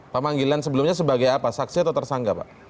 pemanggilan sebelumnya sebagai apa saksi atau tersangka pak